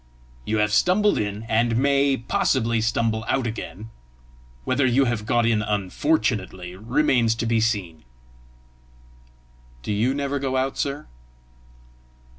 "You have stumbled in, and may, possibly, stumble out again. Whether you have got in UNFORTUNATELY remains to be seen." "Do you never go out, sir?"